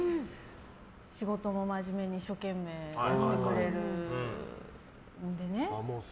仕事も真面目に一生懸命やってくれるんでね。